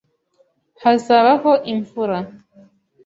Hazabaho imvura.